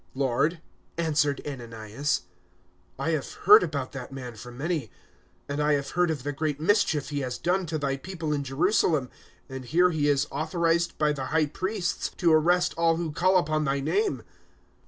009:013 "Lord," answered Ananias, "I have heard about that man from many, and I have heard of the great mischief he has done to Thy people in Jerusalem; 009:014 and here he is authorized by the High Priests to arrest all who call upon Thy name."